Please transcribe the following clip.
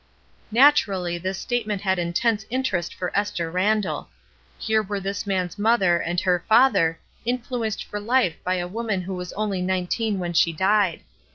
Naturally this statement had intense inter est for Esther Randall. Here were this man's mother and her father influenced for life by a woman who was only nineteen when she died.